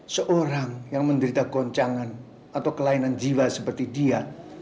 seorang yang menderita goncangan atau kelainan jiwa seperti dia